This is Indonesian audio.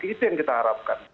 itu yang kita harapkan